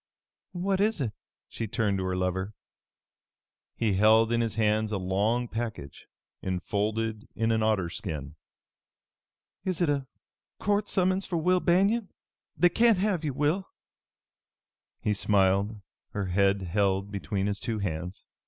"What is it?" She turned to her lover. He held in his hands a long package, enfolded in an otter skin. "Is it a court summons for Will Banion? They can't have you, Will!" He smiled, her head held between his two hands.